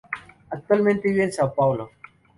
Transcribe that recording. Actualmente vive en São Paulo.